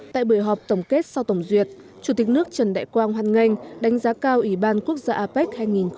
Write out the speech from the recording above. tại buổi họp tổng kết sau tổng duyệt chủ tịch nước trần đại quang hoan nghênh đánh giá cao ủy ban quốc gia apec hai nghìn hai mươi